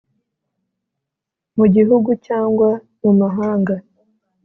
mu gihugu cyangwa mu mahanga